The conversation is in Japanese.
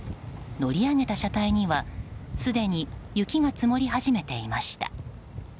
乗り上げた車体にはすでに雪が積もり始めていました。